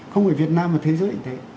không ở việt nam mà thế giới cũng thế